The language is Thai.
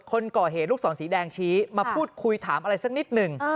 คนก่อเหตุลูกศรสีแดงชี้มาพูดคุยถามอะไรสักนิดหนึ่ง